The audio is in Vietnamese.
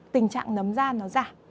tình trạng nấm da nó giảm